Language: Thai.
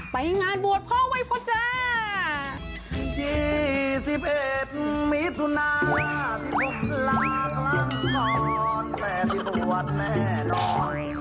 ไปงานบวชพ่อวัยพะจ้า